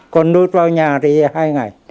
còn nụt vào nhà thì hai ngày